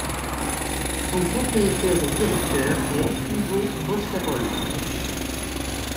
Son propriétaire et directeur est Ivo Boscarol.